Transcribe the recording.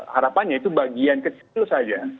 harapannya itu bagian kecil saja